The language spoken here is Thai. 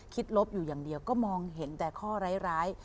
ลบอยู่อย่างเดียวก็มองเห็นแต่ข้อร้าย